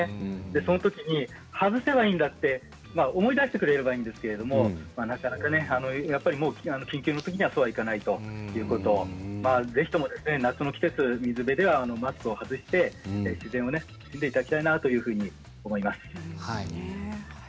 そのときに外せばいいんだと思い出してくれればいいんですけれどなかなか緊急のときにはそうはいかないということぜひとも夏の季節ですのでマスクを質問がきています。